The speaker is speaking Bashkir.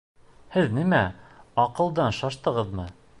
Һеҙ нимә, аҡылдан шаштығыҙмы?